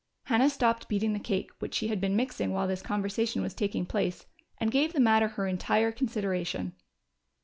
Hannah stopped beating the cake which she had been mixing while this conversation was taking place and gave the matter her entire consideration.